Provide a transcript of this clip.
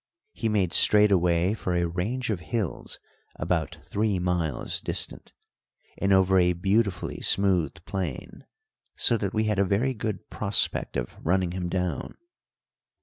He made straight away for a range of hills about three miles distant, and over a beautifully smooth plain, so that we had a very good prospect of running him down.